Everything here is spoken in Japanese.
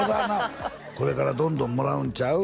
これからどんどんもらうんちゃう？